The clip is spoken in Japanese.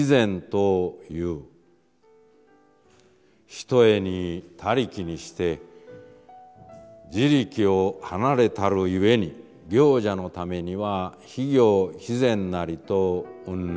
ひとえに他力にして自力をはなれたるゆえに行者のためには非行・非善なりと云々」。